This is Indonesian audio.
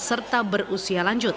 serta berusia lanjut